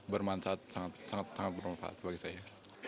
bermanfaat sangat bermanfaat bagi saya